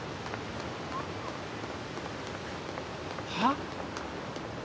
はっ？